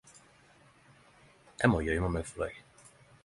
Eg må gøyma meg for deg.